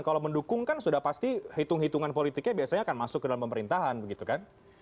kalau mendukung kan sudah pasti hitung hitungan politiknya biasanya akan masuk ke dalam pemerintahan begitu kan